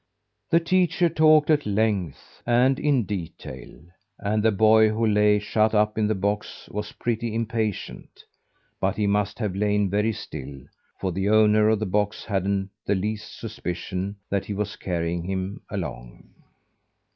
The teacher talked at length and in detail; and the boy who lay shut up in the box was pretty impatient; but he must have lain very still, for the owner of the box hadn't the least suspicion that he was carrying him along.